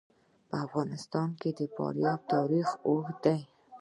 په افغانستان کې د فاریاب تاریخ اوږد دی.